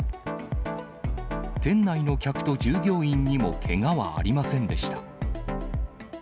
店内の客と従業員にもけがはありませんでした。